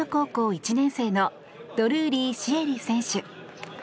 １年生のドルーリー朱瑛里選手。